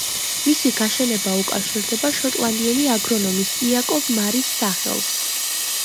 მისი გაშენება უკავშირდება შოტლანდიელი აგრონომის, იაკობ მარის, სახელს.